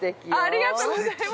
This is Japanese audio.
◆ありがとうございます。